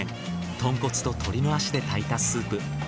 豚骨と鶏の足で炊いたスープ。